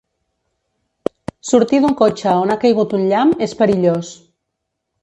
Sortir d'un cotxe on ha caigut un llamp és perillós.